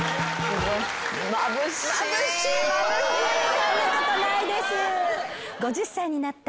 そんなことないです。